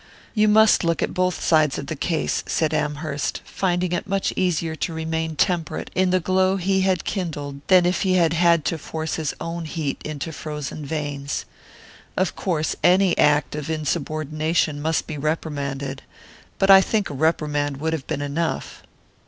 "You must look at both sides of the case," said Amherst, finding it much easier to remain temperate in the glow he had kindled than if he had had to force his own heat into frozen veins. "Of course any act of insubordination must be reprimanded but I think a reprimand would have been enough."